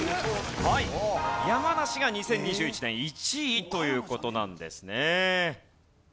山梨が２０２１年１位という事なんですね。